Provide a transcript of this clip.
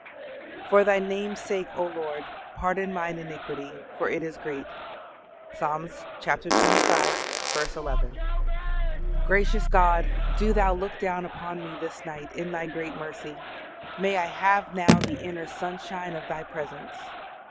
"For Thy name's sake, O Lord, pardon mine iniquity; for it is great." Ps. xxv. 11. Gracious God! do Thou look down upon me this night in Thy great mercy. May I have now the inner sunshine of Thy presence!